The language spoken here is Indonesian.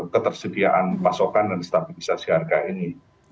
ketersediaan pasokan dan stabilisasi harga ini